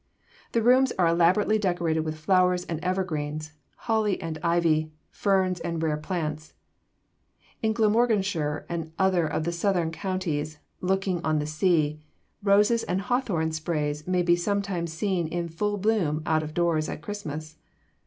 The rooms are elaborately decorated with flowers and evergreens, holly and ivy, ferns and rare plants. In Glamorganshire, and other of the southern counties looking on the sea, roses and hawthorn sprays may be sometimes seen in full bloom out of doors at Christmas.